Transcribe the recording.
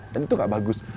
dan itu tidak bagus